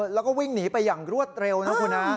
แล้วก็วิ่งหนีไปอย่างรวดเร็วนะคุณฮะ